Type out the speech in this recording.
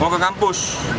mau ke kampus